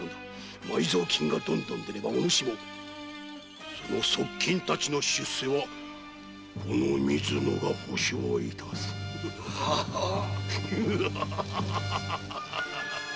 埋蔵金がどんどん出ればお主もその側近たちの出世もこの水野が保証いたす。ははーっ！